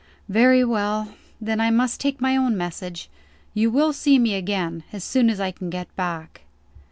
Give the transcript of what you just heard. "Very well. Then I must take my own message. You will see me again, as soon as I can get back."